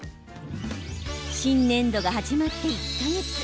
新年度が始まって１か月。